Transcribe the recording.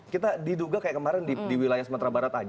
kita diduga kayak kemarin di wilayah sumatera barat aja